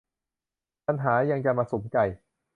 ปัญหายังจะมาสุมใจ